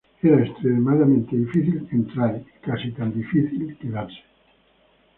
Era extremadamente difícil entrar y casi tan difícil quedarse.